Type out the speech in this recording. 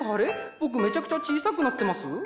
僕めちゃくちゃ小さくなってます？